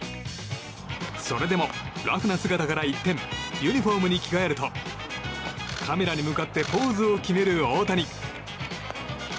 それでもラフな姿から一転ユニホームに着替えるとカメラに向かってポーズを決める大谷。